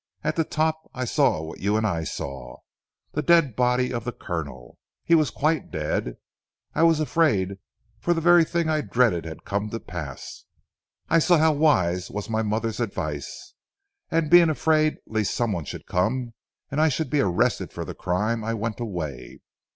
At the top I saw what you and I saw the dead body of the Colonel. He was quite dead. I was afraid, for the very thing I dreaded had come to pass. I saw how wise was my mother's advice, and being afraid lest someone should come and I should be arrested for the crime I went away.